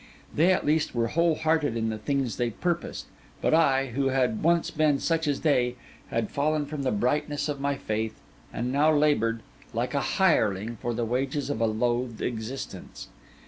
They at least were wholehearted in the things they purposed; but I, who had once been such as they, had fallen from the brightness of my faith, and now laboured, like a hireling, for the wages of a loathed existence.